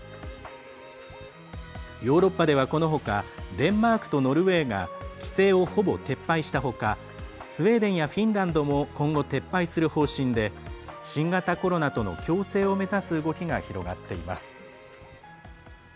ヨーロッパでは、このほかデンマークとノルウェーが規制をほぼ撤廃したほかスウェーデンやフィンランドも今後、撤廃する方針で新型コロナとの共生を目指す動きが広がっています。